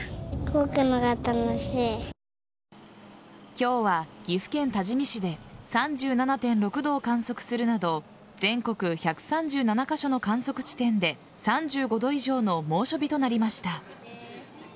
今日は岐阜県多治見市で３７．６度を観測するなど全国１３７カ所の観測地点で３５度以上の猛暑日となりました。